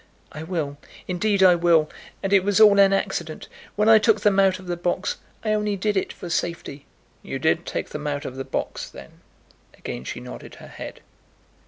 "I will; indeed I will. And it was all an accident. When I took them out of the box, I only did it for safety." "You did take them out of the box then?" Again she nodded her head.